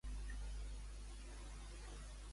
Però amb qui acaba Silvia?